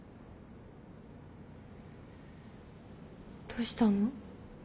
どうしたの？